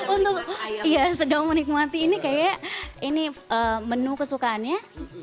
untuk sedang menikmati ini kayak menu kesukaannya